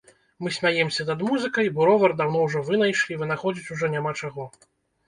Мы смяемся над музыкай, бо ровар даўно ўжо вынайшлі, вынаходзіць ужо няма чаго.